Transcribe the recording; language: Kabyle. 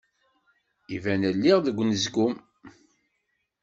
Iban lliɣ deg unezgum.